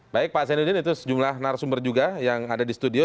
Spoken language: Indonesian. baik pak zainuddin itu sejumlah narasumber juga yang ada di studio